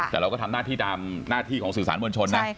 แต่เราก็ทำหน้าที่ตามหน้าที่ของสื่อสารมวลชนนะ